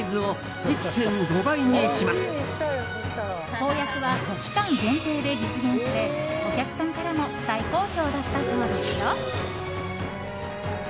公約は期間限定で実現されお客さんからも大好評だったそうですよ。